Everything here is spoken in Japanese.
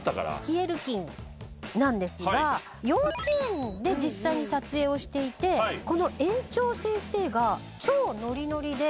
キエルキンなんですが幼稚園で実際に撮影をしていてこの園長先生が超ノリノリで。